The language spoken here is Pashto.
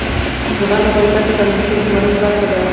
زغال د افغانستان د فرهنګي فستیوالونو برخه ده.